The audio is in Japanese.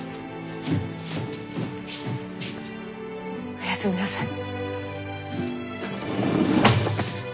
おやすみなさい。